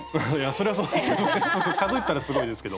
それはそう数えてたらすごいですけど。